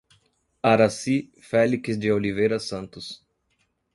Araci Felix de Oliveira Santos